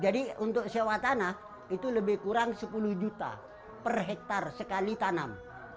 jadi untuk sewa tanah itu lebih kurang sepuluh juta per hektare sekali tanam